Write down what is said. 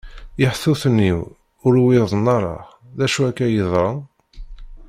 Iḥtuten-iw, ur uwiḍen ara. D acu akka i yeḍṛan?